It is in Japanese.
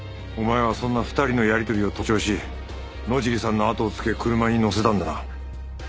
お前はそんな２人のやり取りを盗聴し野尻さんのあとをつけ車に乗せたんだな？